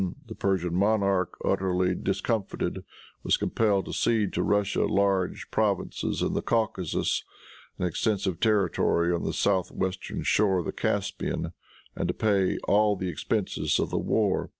The Persian monarch, utterly discomfited, was compelled to cede to Russia large provinces in the Caucasus, and extensive territory on the south western shore of the Caspian, and to pay all the expenses of the war.